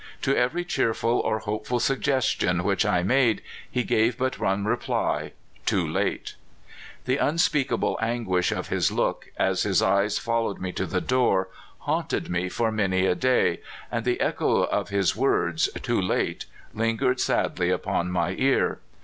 To every cheerful or hopeful suggestion which I made he gave but one reply: " Too late !" The unspeakable anguish of his look, as his eyes followed me to the door, haunted me for many a day, and the echo of his w^ords, " Too late !" lin gered sadl}^ upon my ear.